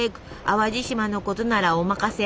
淡路島のことならお任せ。